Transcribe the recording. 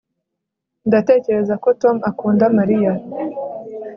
Ndatekereza ko Tom akunda Mariya